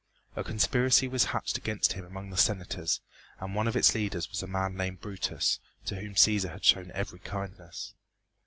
A conspiracy was hatched against him among the senators, and one of its leaders was a man named Brutus, to whom Cæsar had shown every kindness.